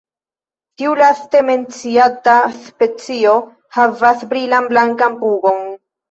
Tiu laste menciata specio havas brilan blankan pugon.